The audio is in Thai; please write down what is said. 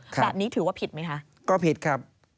แบบนี้ถือว่าผิดไหมคะก็ผิดครับ